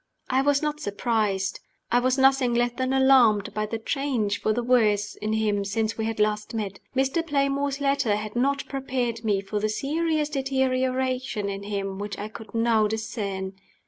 I was not surprised I was nothing less than alarmed by the change for the worse in him since we had last met. Mr. Playmore's letter had not prepared me for the serious deterioration in him which I could now discern.